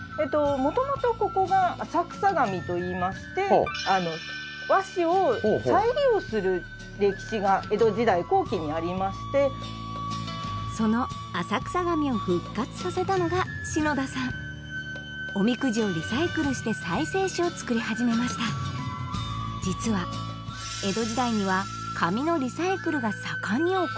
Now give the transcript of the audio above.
元々ここが浅草紙といいまして和紙を再利用する歴史が江戸時代後期にありましてその浅草紙を復活させたのが篠田さんおみくじをリサイクルして再生紙を作り始めました実はということでありましてえっ！